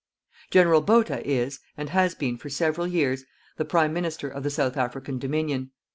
General Botha is, and has been for several years, the Prime Minister of the South African Dominion.